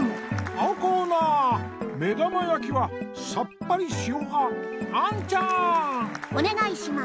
あおコーナーめだまやきはさっぱりしお派アンちゃん！おねがいします。